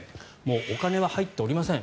お金は入っておりません。